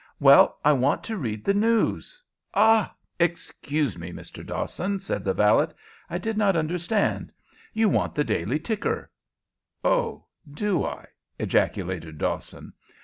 "Well, I want to read the news " "Ah! Excuse me, Mr. Dawson," said the valet. "I did not understand. You want the Daily Ticker." "Oh, do I?" ejaculated Dawson.